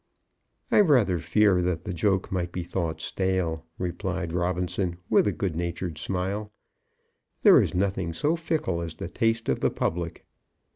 "I rather fear that the joke might be thought stale," replied Robinson, with a good natured smile. "There is nothing so fickle as the taste of the public.